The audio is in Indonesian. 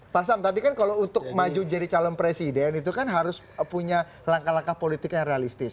pak sam tapi kan kalau untuk maju jadi calon presiden itu kan harus punya langkah langkah politik yang realistis